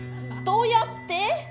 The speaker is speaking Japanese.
どうやって？